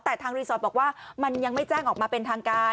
แต่ทางรีสอร์ทบอกว่ามันยังไม่แจ้งออกมาเป็นทางการ